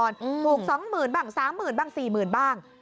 ถูกสองหมื่นบ้างสามหมื่นบ้างสี่หมื่นบ้าง